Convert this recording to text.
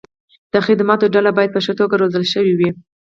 د خدماتو ډله باید په ښه توګه روزل شوې وي.